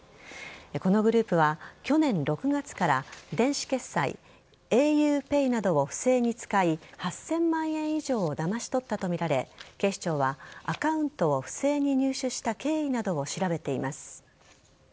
このグループは去年６月から電子決済・ａｕＰＡＹなどを不正に使い８０００万円以上をだまし取ったとみられ警視庁はアカウントを不正に入手した経緯などを調べています。